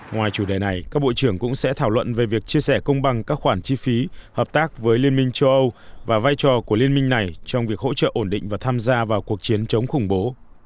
ngoài chủ đề này các bộ trưởng cũng sẽ thảo luận về việc chia sẻ công bằng các khoản chi phí hợp tác với liên minh châu âu và vai trò của liên minh này trong việc hỗ trợ ổn định và tham gia vào cuộc chiến chống khủng bố